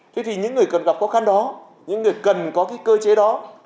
thế thì những người cần gặp khó khăn đó những người cần có cái cơ chế đó